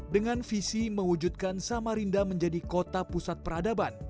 dengan visi mewujudkan samarinda menjadi kota pusat peradaban